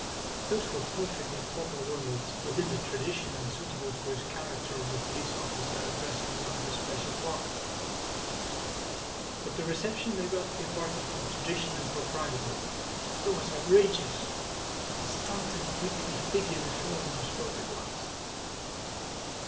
Those were perfectly proper words, within the tradition and suitable to his character of a police officer addressing one of his special flock. But the reception they got departed from tradition and propriety. It was outrageous. The stunted, weakly figure before him spoke at last.